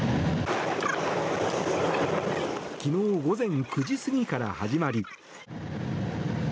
昨日午前９時過ぎから始まり。